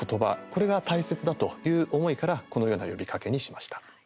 これが大切だという思いからこのような呼びかけにしました。